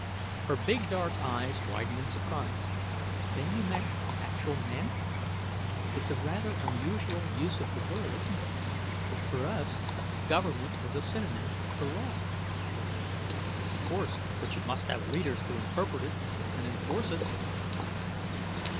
Her big, dark eyes widened in surprise. "Then you meant actual men? It's a rather unusual use of the word, isn't it? For us, government is a synonym for law." "Of course, but you must have leaders to interpret it and enforce it."